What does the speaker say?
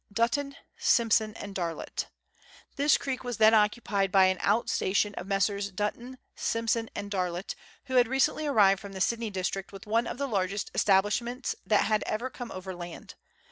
Button, Simson, and Darlot. This creek was then occupied by an out station of Messrs. Button, Simson, and Darlot, who had recently arrived from the Sydney district with one of the largest establishments that had ever come overland.